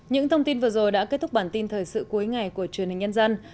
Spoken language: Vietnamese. những thông tin vừa rồi đã kết thúc bản tin thời sự cuối ngày của truyền hình nhân dân